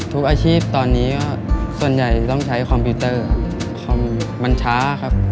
ทุกอาชีพตอนนี้ก็ส่วนใหญ่ต้องใช้คอมพิวเตอร์มันช้าครับ